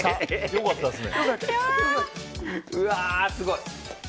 良かったですね！